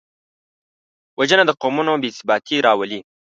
وژنه د قومونو بېثباتي راولي